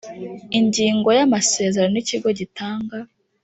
Ingingo ya Amasezerano n ikigo gitanga